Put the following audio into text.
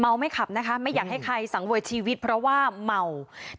ไม่ขับนะคะไม่อยากให้ใครสังเวยชีวิตเพราะว่าเมา